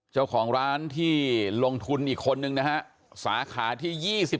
เจ้าของร้านที่ลงทุนอีกคนนึงนะฮะสาขาที่๒๔